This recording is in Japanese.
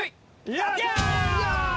やった！